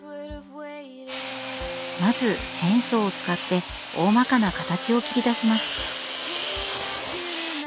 まずチェーンソーを使っておおまかな形を切り出します。